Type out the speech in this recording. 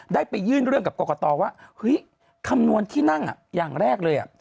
ได้ไปยื่นเรื่องกับกรกตว่าเฮ้ยคำนวณที่นั่งอย่างแรกเลย